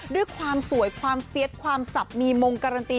ด้วยความสวยความเฟียสความสับมีมงการันตี